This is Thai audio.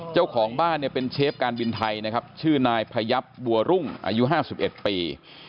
เจ้าของบ้านเนี่ยเป็นเชฟการบินไทยนะครับชื่อนายพยับบัวรุ่งอายุ๕๑ปี